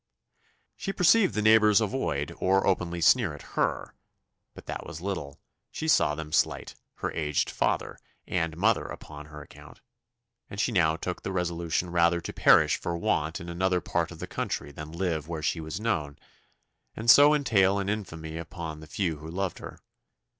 She perceived the neighbours avoid, or openly sneer at her; but that was little she saw them slight her aged father and mother upon her account; and she now took the resolution rather to perish for want in another part of the country than live where she was known, and so entail an infamy upon the few who loved her.